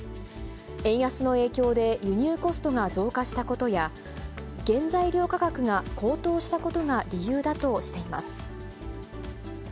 円安の影響で輸入コストが増加したことや、原材料価格が高騰したことが理由だとしています。